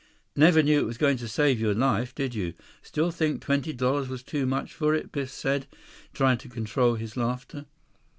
"Never knew it was going to save your life, did you? Still think twenty dollars was too much for it?" Biff said, trying to control his laughter.